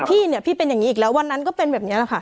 พี่เนี่ยพี่เป็นอย่างนี้อีกแล้ววันนั้นก็เป็นแบบนี้แหละค่ะ